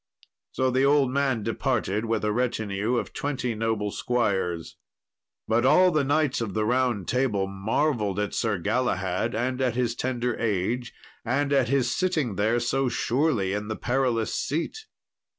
So the old man departed with a retinue of twenty noble squires. But all the knights of the Round Table marvelled at Sir Galahad, and at his tender age, and at his sitting there so surely in the Perilous Seat.